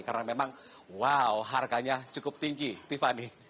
karena memang wow harganya cukup tinggi tiffany